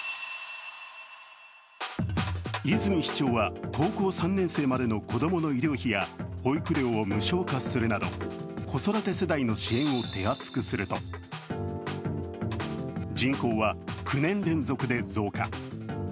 泉市長は高校３年生までの子供の医療費や保育料を無償化するなど子育て世代の支援を手厚くすると人口は９年連続で増加。